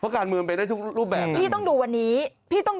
การเมืองไปได้ทุกรูปแบบพี่ต้องดูวันนี้พี่ต้อง